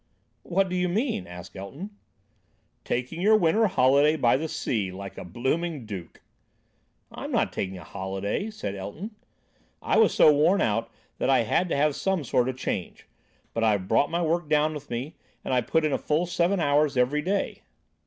"What do you mean?" asked Elton. "Taking your winter holiday by the sea, like a blooming duke." "I'm not taking a holiday," said Elton. "I was so worn out that I had to have some sort of change; but I've brought my work down with me, and I put in a full seven hours every day."